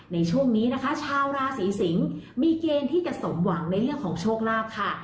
ในช่วงนี้นะคะชาวราศีสิงศ์มีเกณฑ์ที่จะสมหวังในเรื่องของโชคลาภค่ะ